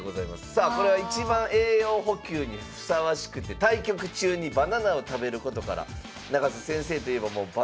さあこれは一番栄養補給にふさわしくて対局中にバナナを食べることから永瀬先生といえばもうバナナバナナの方だと。